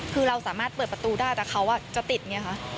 คือเราสามารถเปิดประตูได้แต่เขาจะติดไงคะ